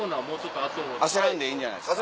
焦らんでいいんじゃないですか。